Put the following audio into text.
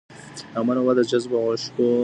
رحمان بابا د جذبو او عشق په نړۍ کې مست و.